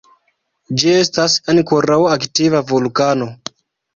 Ĝi estas ankoraŭ aktiva vulkano.